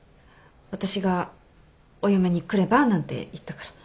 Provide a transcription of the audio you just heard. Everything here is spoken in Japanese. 私が「お嫁に来れば？」なんて言ったから。